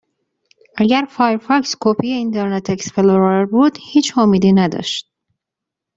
اگر فایرفاکس، کپی اینترنت اکسپلورر بود هیچ امیدی نداشت.